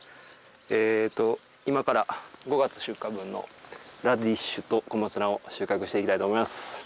えと今から５月出荷分のラディッシュと小松菜を収穫していきたいと思います。